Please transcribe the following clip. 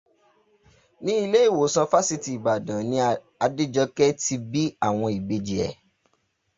Ní ilé ìwòsàn fásitì Ìbàdàn ni Adéjọkẹ́ ti bí àwọn ìbejì ẹ̀.